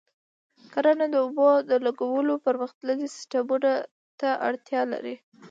کرنه د اوبو د لګولو پرمختللي سیستمونه ته اړتیا لري.